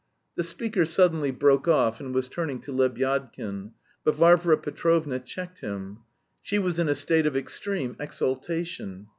The speaker suddenly broke off and was turning to Lebyadkin. But Varvara Petrovna checked him. She was in a state of extreme exaltation.